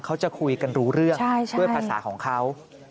เขาจะคุยกันรู้เรื่องด้วยภาษาของเขา